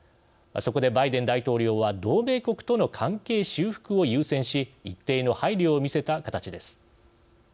そこでバイデン大統領は同盟国との関係修復を優先し一定の配慮を見せた形です。